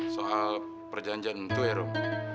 soal perjanjian itu ya rum